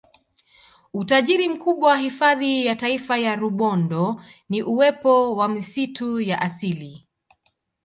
Utajiri mkubwa hifadhi ya Taifa ya Rubondo ni uwepo wa misitu ya asili